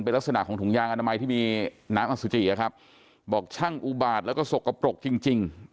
เป็นลักษณะของถุงยางอนามัยที่มีน้ำอสุจิครับบอกช่างอุบาตแล้วก็สกปรกจริง